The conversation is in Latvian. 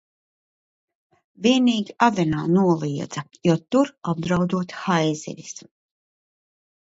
Vienīgi Adenā noliedza, jo tur apdraudot haizivis.